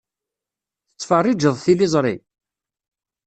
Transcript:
Tettfeṛṛiǧeḍ tiliẓṛi?